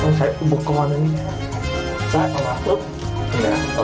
อ่าต้องใช้อุปกรณ์นี้นะครับ